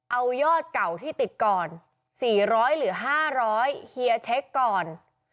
เอายอดเก่าที่ติดก่อน๔๐๐หรือ๕๐๐เฮียเช็คก่อน